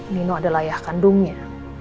nino adalah ayah kandungnya